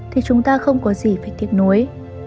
thì chúng ta không có gì phải tiếc nuối